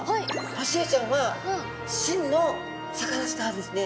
ホシエイちゃんは真のサカナスターですね。